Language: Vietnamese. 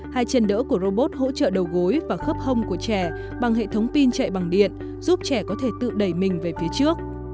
hai chân đỡ của robot hỗ trợ đầu gối và khớp hông của trẻ bằng hệ thống pin chạy bằng điện giúp trẻ có thể tự đẩy mình về phía trước